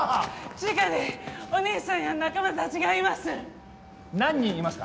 地下にお兄さんや仲間達がいます何人いますか？